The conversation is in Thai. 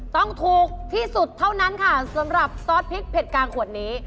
ต้องถูกที่สุดเท่านั้นค่ะสำหรับซอสพริกเผ็ดกลางขวดนี้